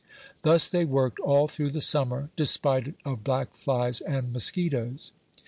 Thus they worked all through the summer, despite of black flies and mosquitos.